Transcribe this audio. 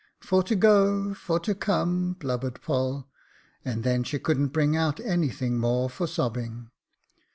"* For to go — for to come,' blubbered Poll ; and then she couldn't bring out anything more for sobbing.